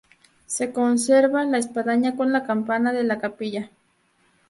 Se conserva la espadaña con la campana de la capilla.